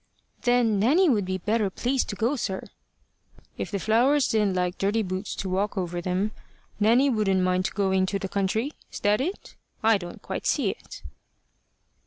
"Then Nanny would be better pleased to go, sir." "If the flowers didn't like dirty boots to walk over them, Nanny wouldn't mind going to the country? Is that it? I don't quite see it."